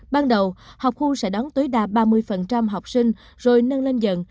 ban đầu học khu sẽ đón tối đa ba mươi học sinh rồi nâng lên dần